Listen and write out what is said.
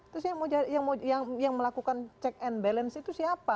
terus yang melakukan check and balance itu siapa